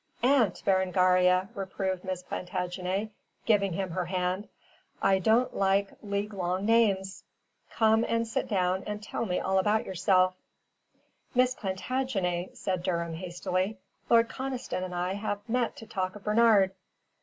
"Aunt Berengaria," reproved Miss Plantagenet, giving him her hand. "I don't like league long names. Come and sit down and tell me all about yourself." "Miss Plantagenet," said Durham, hastily. "Lord Conniston and I have met to talk of Bernard."